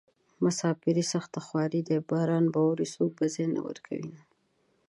مساپري سخته خواري ده باران به اوري څوک به ځای نه ورکوينه